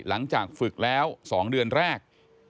หลังจากฝึกแล้ว๒เดือนแรก